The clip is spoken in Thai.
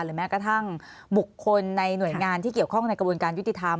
แม้กระทั่งบุคคลในหน่วยงานที่เกี่ยวข้องในกระบวนการยุติธรรม